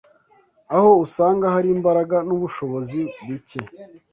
Aho usanga hari imbaraga n’ubushobozi bike